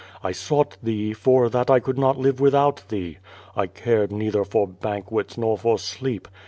I sought thee, for that I could not live without thee. I cared neither for banquets nor for sleep.